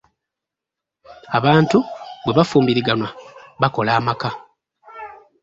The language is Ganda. Abantu bwe bafumbiriganwa, bakola amaka